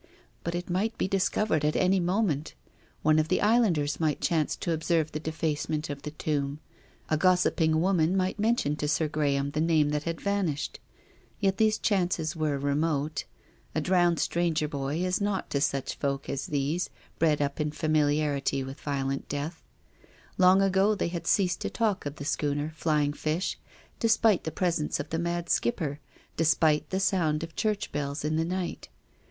But it might be discovered at any moment. One of the islanders might chance to observe the defacement of the tomb. A gossip ing woman might mention to Sir Graham the name that had vanished. Yet these chances were remote. A drowned stranger boy is naught to such folk as these, bred up in familiarity with vio lent death. Long ago they had ceased to talk of the schooner " Flying Fish," despite the presence of the mad Skipper, despite the sound of church bells in the night.